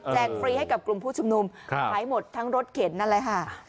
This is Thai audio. ฟรีให้กับกลุ่มผู้ชุมนุมขายหมดทั้งรถเข็นนั่นแหละค่ะ